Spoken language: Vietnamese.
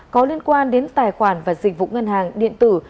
có liên quan đến tài khoản và dịch vụ ngân hàng điện tử